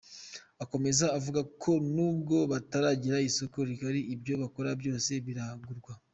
Akomeza avuga ko nubwo bataragira isoko rigari, ibyo bakora byose biragurwa.